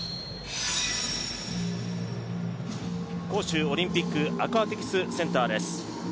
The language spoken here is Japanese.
杭州オリンピックアクアティクスセンターです。